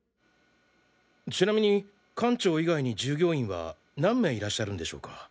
ちなみに館長以外に従業員は何名いらっしゃるんでしょうか？